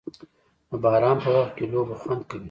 د باران په وخت کې لوبه خوند کوي.